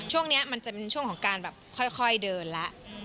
มันจะเป็นช่วงของการแบบค่อยเดินแล้ว